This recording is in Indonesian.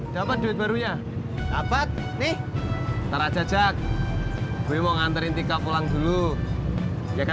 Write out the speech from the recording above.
sampai jumpa di video selanjutnya